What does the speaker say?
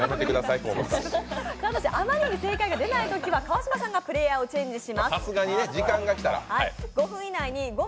ただしあまりに正解がでないときは川島さんがプレーヤーをチェンジします。